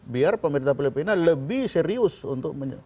biar pemerintah filipina lebih serius untuk